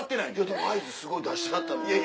でも合図すごい出してはった。